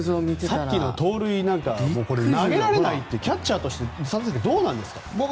さっきの盗塁なんか投げられないってキャッチャーとしてどうなんですか？